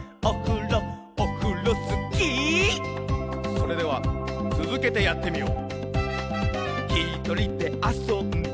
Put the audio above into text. それではつづけてやってみよう！